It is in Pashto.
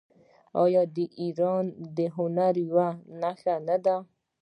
آیا دا د ایران د هنر یوه نښه نه ده؟